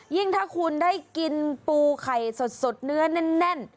ถ้าคุณได้กินปูไข่สดเนื้อแน่น